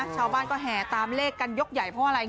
ชาวบ้านก็แห่ตามเลขกันยกใหญ่เพราะว่าอะไร